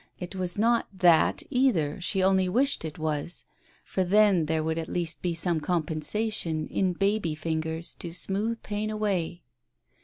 It was not "that" either, she only wished it was. ... For then there would at least be some com pensation in baby fingers to smooth pain away.